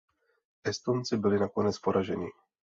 Estonci byli nakonec poraženi.